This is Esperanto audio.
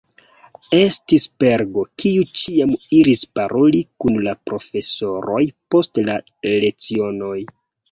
Estis Pergo, kiu ĉiam iris paroli kun la profesoroj post la lecionoj.